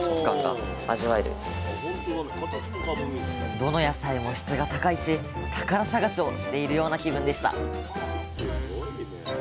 どの野菜も質が高いし宝探しをしているような気分でした